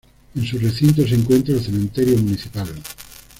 En su recinto se encuentra el cementerio municipal.